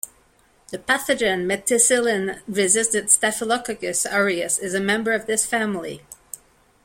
The pathogen Methicillin-resistant Staphylococcus aureus is a member of this family.